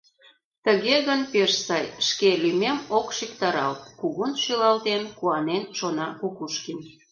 «Тыге гын, пеш сай, шке лӱмем ок шӱктаралт», — кугун шӱлалтен, куанен шона Кукушкин.